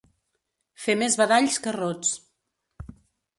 Fer més badalls que rots.